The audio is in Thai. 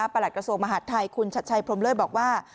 ประหลักกระโสมหาดไทยคุณชัดชัยพรมเลือดบอกว่า